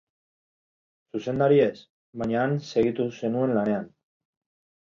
Zuzendari ez, baina han segitu zenuen lanean.